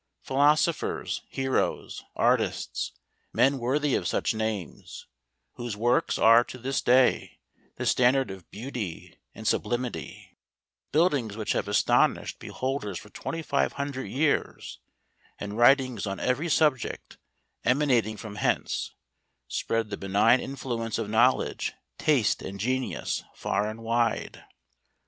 Philosophers, heroes, artists, men worthy of such names, whose works are to this day the standard of beauty and sublimity ; buildings which have astonished be¬ holders for 2500 years, and writings on every subject emanating from hence, spread the benign influence of knowledge, taste and genius, far and wide.